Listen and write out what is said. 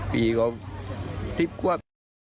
ปีก็๑๐ครับ